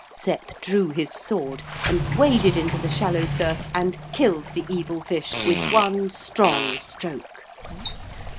Sep drew his sword and waded into the shallow surf and killed the evil fish with one strong stroke.